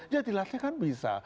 ya dilatih kan bisa